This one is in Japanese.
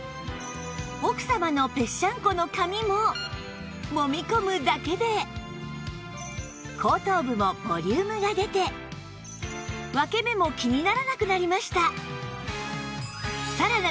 奥様のぺしゃんこの髪ももみ込むだけで後頭部もボリュームが出て分け目も気にならなくなりました